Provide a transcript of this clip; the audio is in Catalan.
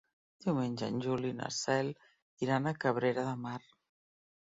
Diumenge en Juli i na Cel iran a Cabrera de Mar.